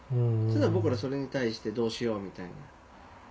僕らそれに対してどうしようみたいな。